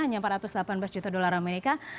hanya empat ratus delapan belas juta dolar amerika